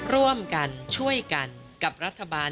ร่วมกันช่วยกันกับรัฐบาล